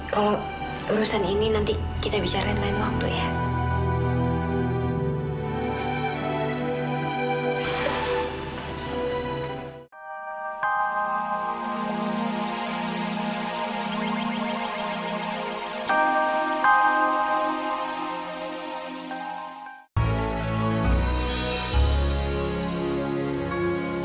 kalau urusan ini nanti kita bisa renven waktu ini